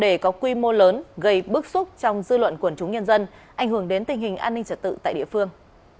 đề có quy mô lớn gây bức xúc trong dư luận quần chúng nhân dân ảnh hưởng đến tình hình an ninh trật tự tại địa phương